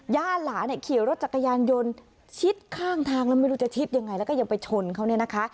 ย่าหลานเนี่ยขี่รถจักรยานยนต์ชิดข้างทางแล้วไม่รู้จะชิดยังไงแล้วก็ยังไปชนเขาเนี่ยนะคะ